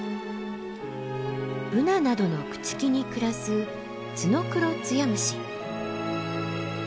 ブナなどの朽ち木に暮らすツノクロツヤムシ。